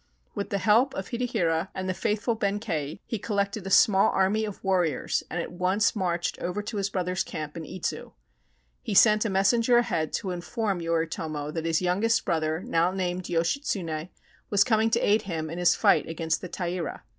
With the help of Hidehira and the faithful Benkei, he collected a small army of warriors and at once marched over to his brother's camp in Idzu. He sent a messenger ahead to inform Yoritomo that his youngest brother, now named Yoshitsune, was coming to aid him in his fight against the Taira.